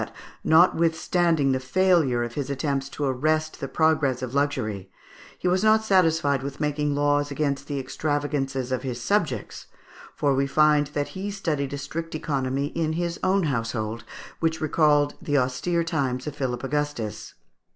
50) that, notwithstanding the failure of his attempts to arrest the progress of luxury, he was not satisfied with making laws against the extravagances of his subjects, for we find that he studied a strict economy in his own household, which recalled the austere times of Philip Augustus.